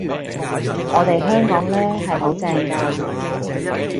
我哋香港呢，係好正㗎！